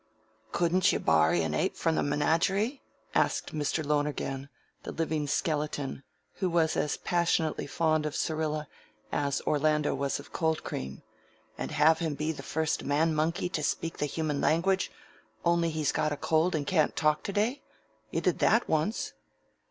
"Couldn't you borry an ape from the menagerie?" asked Mr. Lonergan, the Living Skeleton, who was as passionately fond of Syrilla as Orlando was of cold cream. "And have him be the first man monkey to speak the human language, only he's got a cold and can't talk to day? You did that once."